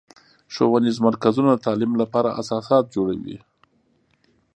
ښوونیز مرکزونه د تعلیم لپاره اساسات جوړوي.